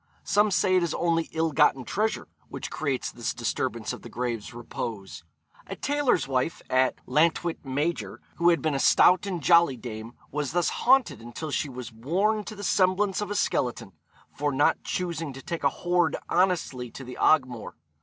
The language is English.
Some say it is only ill gotten treasure which creates this disturbance of the grave's repose. A tailor's wife at Llantwit Major, who had been a stout and jolly dame, was thus haunted until she was worn to the semblance of a skeleton, 'for not choosing to take a hoard honestly to the Ogmore.'